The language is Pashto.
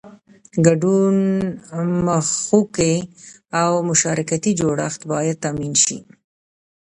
ګډون مخوکی او مشارکتي جوړښت باید تامین شي.